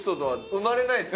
生まれないです。